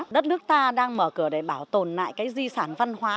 đất nước ta đang mở cửa để bảo tồn lại cái di sản văn hóa